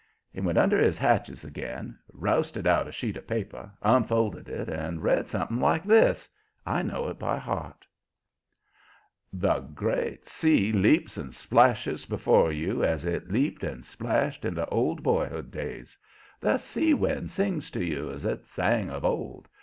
He went under his hatches again, rousted out a sheet of paper, unfolded it and read something like this I know it by heart: "The great sea leaps and splashes before you as it leaped and splashed in the old boyhood days. The sea wind sings to you as it sang of old.